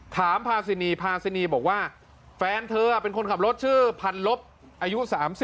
พาซินีพาซินีบอกว่าแฟนเธอเป็นคนขับรถชื่อพันลบอายุ๓๐